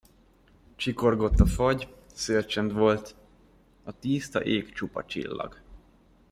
Csikorgott a fagy, szélcsend volt, a tiszta ég csupa csillag.